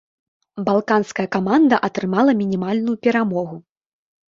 Балканская каманда атрымала мінімальную перамогу.